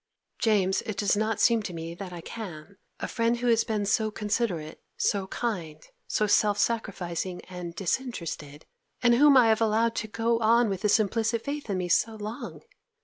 'James, it does not seem to me that I can. A friend who has been so considerate, so kind, so self sacrificing and disinterested, and whom I have allowed to go on with this implicit faith in me so long.